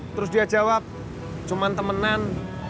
terus dia jawab cuman temenan